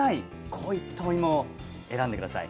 こういったおいも選んで下さい。